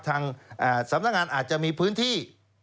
ทางสำนักงานอาจจะมีพื้นที่